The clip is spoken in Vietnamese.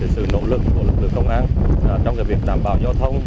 sự nỗ lực của lực lượng công an trong việc đảm bảo giao thông